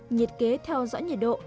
nhiệt kế theo dõi nhiệt độ